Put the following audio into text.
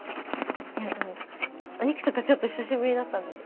いやあのお肉とかちょっと久しぶりだったので。